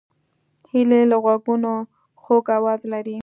هیلۍ له غوږونو خوږ آواز لري